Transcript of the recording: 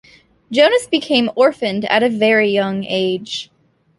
Jonas became orphaned at a very young age.